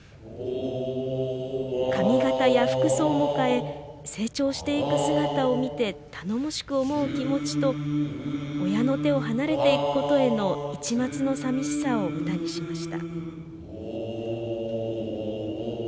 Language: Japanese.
髪形や服装も変え成長していく姿を見て頼もしく思う気持ちと親の手を離れていくことへの一抹の寂しさを歌にしました。